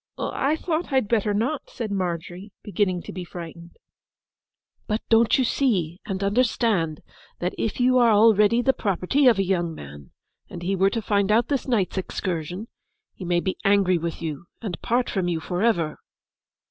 'I thought I'd better not!' said Margery, beginning to be frightened. 'But don't you see and understand that if you are already the property of a young man, and he were to find out this night's excursion, he may be angry with you and part from you for ever?